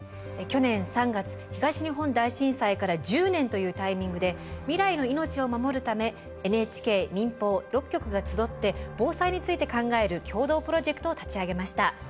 去年３月東日本大震災から１０年というタイミングで未来の命を守るためＮＨＫ民放６局が集って防災について考える共同プロジェクトを立ち上げました。